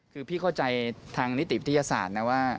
คือพี่เข้าใจทางนิติวิทยาศาสตร์นะว่า